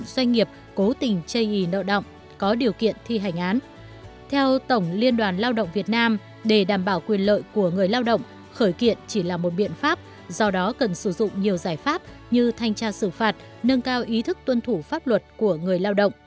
xin kính chào và hẹn gặp lại